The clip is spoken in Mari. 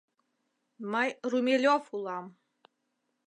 — Мый Румелёв улам.